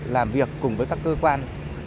làm việc cùng với các cơ quan